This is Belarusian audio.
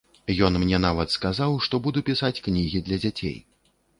Ён мне нават сказаў, што буду пісаць кнігі для дзяцей.